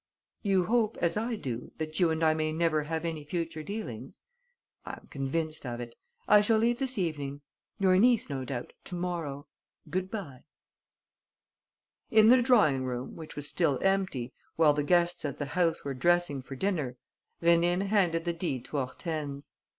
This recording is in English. "You hope, as I do, that you and I may never have any future dealings? I'm convinced of it. I shall leave this evening; your niece, no doubt, tomorrow. Good bye." In the drawing room, which was still empty, while the guests at the house were dressing for dinner, Rénine handed the deed to Hortense.